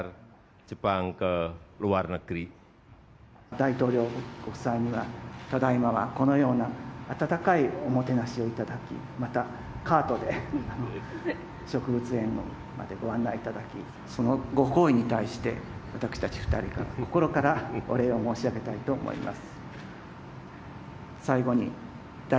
大統領ご夫妻には、ただいまはこのような温かいおもてなしを頂き、また、カートで植物園までご案内いただき、そのご厚意に対して、私たち２人から心からお礼を申し上げたいと思います。